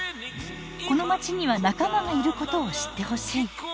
このまちには仲間がいることを知ってほしい。